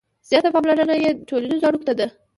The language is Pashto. • زیاته پاملرنه یې ټولنیزو اړیکو ته ده.